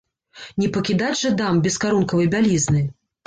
Не пакідаць жа дам без карункавай бялізны!